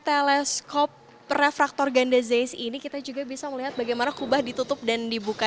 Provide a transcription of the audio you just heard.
teleskop prefraktor ganda ze ini kita juga bisa melihat bagaimana kubah ditutup dan dibuka